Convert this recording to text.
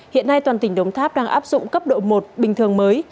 hiện nay toàn tỉnh đồng tháp đang áp dụng cấp độ một bình thường mới